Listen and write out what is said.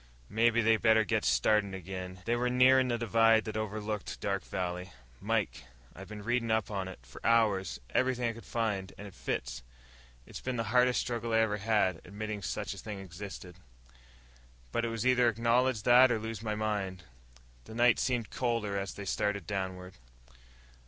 "Mebbe they better get started again." They were nearing the divide that overlooked Dark Valley. "Mike, I've been reading up on it, for hours. Everything I could find. And it fits. It's been the hardest struggle I ever had admitting such a thing existed. But it was either acknowledge that or lose my mind." The night seemed colder as they started downward.